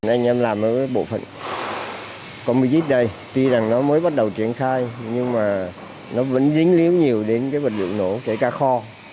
anh em làm ở bộ phận combosite đây tuy rằng nó mới bắt đầu triển khai nhưng mà nó vẫn dính liếu nhiều đến vật liệu nổ kể cả kho